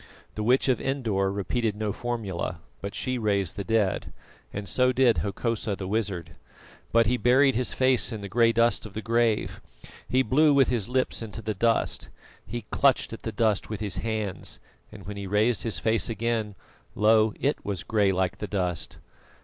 The Witch of Endor repeated no formula, but she raised the dead; and so did Hokosa the wizard. But he buried his face in the grey dust of the grave, he blew with his lips into the dust, he clutched at the dust with his hands, and when he raised his face again, lo! it was grey like the dust.